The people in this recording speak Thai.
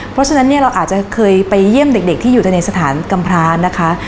เพราะฉะนั้นเนี่ยเราอาจจะเคยไปเยี่ยมเด็กที่อยู่ในสถานกำพรานนะคะ